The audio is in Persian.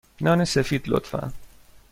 نان سفید، لطفا.